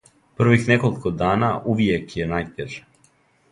Првих неколико дана увијек је најтеже.